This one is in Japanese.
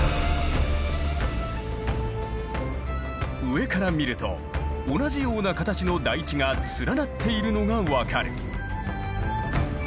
上から見ると同じような形の台地が連なっているのが分かる。